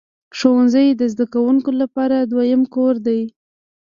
ښوونځی د زده کوونکو لپاره دویم کور دی.